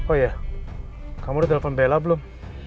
oh iya kamu udah telepon bela belum